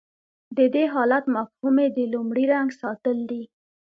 د دې حالت مفهوم د لومړي رنګ ساتل دي.